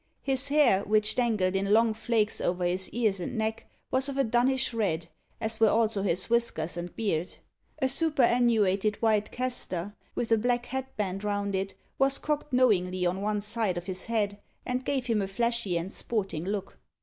His hair, which dangled in long flakes over his ears and neck, was of a dunnish red, as were also his whiskers and beard. A superannuated white castor, with a black hat band round it, was cocked knowingly on one side of his head, and gave him a flashy and sporting look.